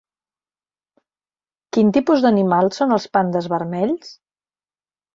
Quin tipus d'animals són els pandes vermells?